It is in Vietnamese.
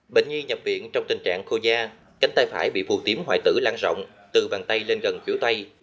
bệnh nhi nhập viện trong tình trạng khô da cánh tay phải bị phù tím hoại tử lan rộng từ bàn tay lên gần phía tay